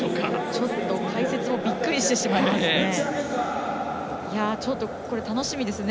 ちょっと解説もびっくりしてしまいますね。